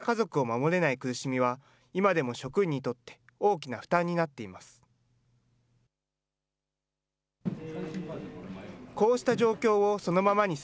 一番大事なときに、一番大切な家族を守れない苦しみは、今でも職員にとって大きな負担になっています。